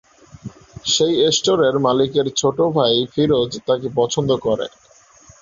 সেই স্টোরের মালিকের ছোট ভাই ফিরোজ তাকে পছন্দ করে।